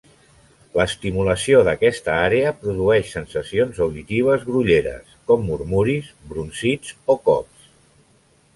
L'estimulació d'aquesta àrea produeix sensacions auditives grolleres, com murmuris, brunzits o cops.